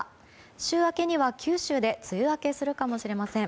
週明けには、九州で梅雨明けするかもしれません。